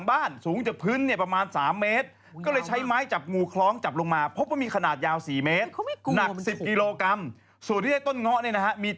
รายงานบอกว่าในบรรจงคุ้มประยุณนะครับ